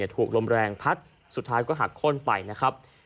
ถูกลมแรงพัดสุดท้ายก็หักโค้นไปนะครับ